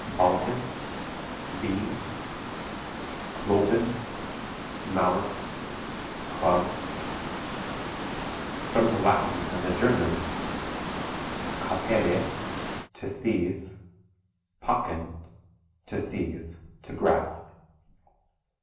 Balken (beam) Kloben (mallet) club. From the Latin and the German: capere (to seize) packen (to seize, to grasp).